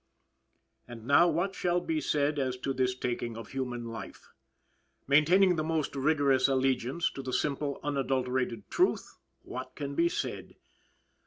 And now what shall be said as to this taking of human life? Maintaining the most rigorous allegiance to the simple unadulterated truth, what can be said?